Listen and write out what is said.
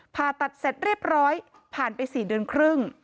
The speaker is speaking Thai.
ผ่าตัดเสร็จเรียบร้อยผ่านไป๔เดือนครึ่ง